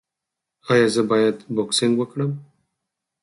ایا زه باید بوکسینګ وکړم؟